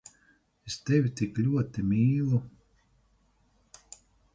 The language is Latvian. Es tevi tik ļoti mīlu…